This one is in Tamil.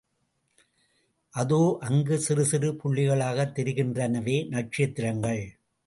அதோ அங்கே சிறுசிறு புள்ளிகளாகத் தெரிகின்றனவே, நட்சத்திரங்கள்!